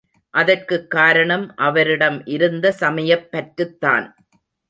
அதற்குக் காரணம் அவரிடம் இருந்த சமயப் பற்றுத்தான்.